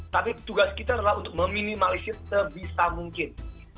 tapi tugas kita adalah untuk meminimalisir sebisa mungkin